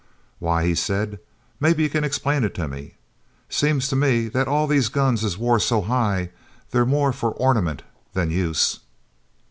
"Why," he said, "maybe you c'n explain it to me. Seems to me that all these guns is wore so high they's more for ornament than use."